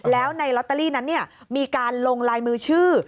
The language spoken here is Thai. แล้วในลอตเตอรี่นั้นมีการลงลายมือชื่อ